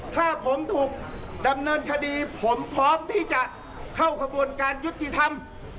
ถ้าผมถูกดำเนินคดีผมพร้อมที่จะเข้ากระบวนการยุติธรรม